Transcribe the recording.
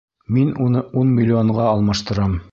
Мин уны ун миллионға алмаштырам!